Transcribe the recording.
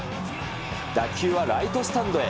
打球はライトスタンドへ。